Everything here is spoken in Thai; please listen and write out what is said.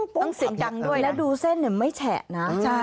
ต้องเสียงกังด้วยแล้วดูเส้นเนี่ยไม่แฉะนะ